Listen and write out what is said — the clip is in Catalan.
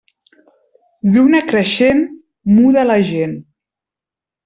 Lluna creixent muda la gent.